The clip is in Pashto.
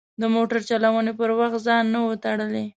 د موټر چلونې پر وخت ځان نه و تړلی.